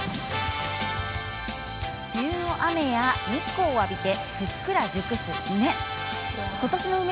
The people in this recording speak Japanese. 梅雨の雨や日光を浴びてふっくら熟す梅。